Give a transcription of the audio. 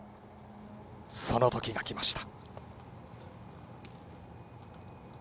その時がきました。